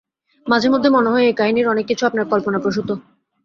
মাঝেমধ্যে মনে হয় এই কাহিনির অনেক কিছু আপনার কল্পনাপ্রসূত।